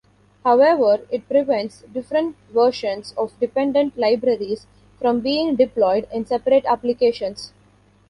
However, it prevents different versions of dependent libraries from being deployed in separate applications.